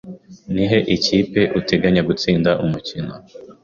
Nihe kipe uteganya gutsinda umukino?